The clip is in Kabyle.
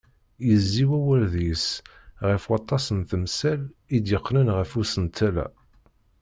Yezzi wawal deg-s ɣef waṭas n temsal i d-yeqqnen ɣef usentel-a.